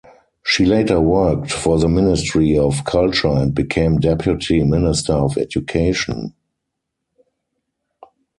She later worked for the Ministry of Culture and became Deputy Minister of Education.